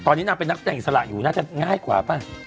ตอนนี้นางเป็นนักแสดงอิสระอยู่น่าจะง่ายกว่าป่ะ